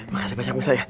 makasih banyak musa ya